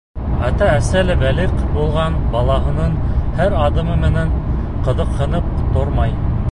Ата-әсә лә бәлиғ булған балаһының һәр аҙымы менән ҡыҙыҡһынып тормай.